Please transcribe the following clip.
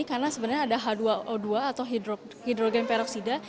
karena sebenarnya ada h dua o dua atau hidrogen peroksida